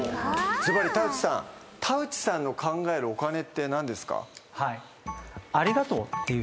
ずばり田内さん田内さんの考えるお金って何ですか？